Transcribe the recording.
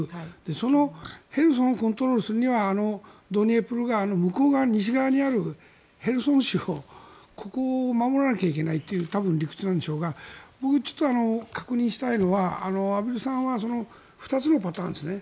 そのヘルソンをコントロールするにはあのドニエプル川の西側にあるヘルソン市、ここを守らなければいけないという多分理屈なんでしょうが１つ確認したいのは畔蒜さんは２つのパターンですね